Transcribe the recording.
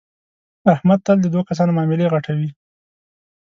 احمد تل د دو کسانو معاملې غټوي.